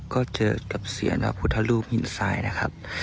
ก็เจอกับเสียนพระพุทธรูปหินทรายนะครับ